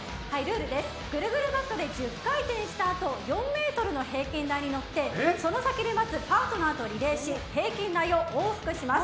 ぐるぐるバットで１０回転したあと４ｍの平均台に乗ってその先に待つパートナーとリレーし平均台を往復します。